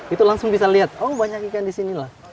itu langsung bisa lihat oh banyak ikan disini lah